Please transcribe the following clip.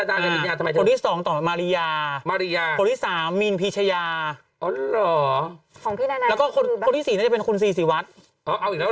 อ๋อของพี่นามาตอนนี้เขาอยู่อยู่เพลงไว้กาหา